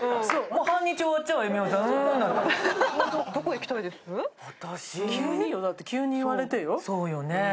そうよね。